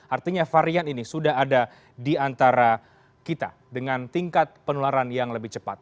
artinya varian ini sudah ada di antara kita dengan tingkat penularan yang lebih cepat